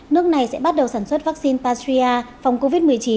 nước này sẽ bắt đầu sản xuất vaccine patria phòng covid một mươi chín